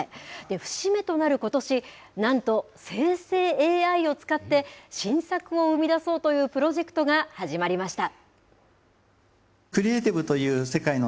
節目となることし、なんと生成ＡＩを使って、新作を生み出そうというプロジェクトが始まりました。